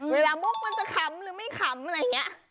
มุกมันจะขำหรือไม่ขำอะไรอย่างนี้